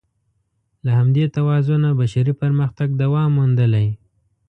له همدې توازنه بشري پرمختګ دوام موندلی.